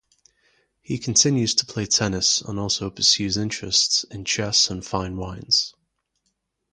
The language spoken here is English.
He continues to play tennis, and also pursues interests in chess and fine wines.